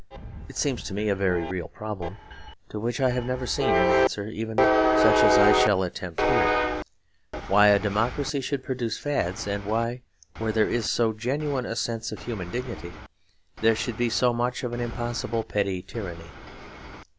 It seems to me a very real problem, to which I have never seen an answer even such as I shall attempt here, why a democracy should produce fads; and why, where there is so genuine a sense of human dignity, there should be so much of an impossible petty tyranny.